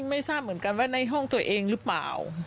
ไม่ทราบเหมือนกันว่าในห้องตัวเองหรือเปล่า